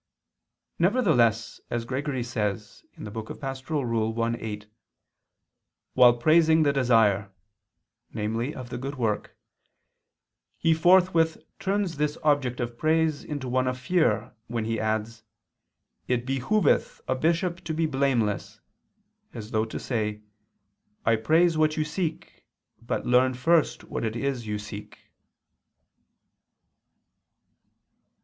Nevertheless, as Gregory says (Pastor. i, 8), "while praising the desire" (namely of the good work) "he forthwith turns this object of praise into one of fear, when he adds: It behooveth ... a bishop to be blameless," as though to say: "I praise what you seek, but learn first what it is you seek."